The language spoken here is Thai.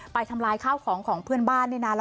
ไปทำลายข้าวของเพื่อนบ้าน